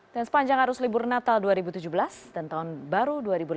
dan sepanjang arus libur natal dua ribu tujuh belas dan tahun baru dua ribu delapan belas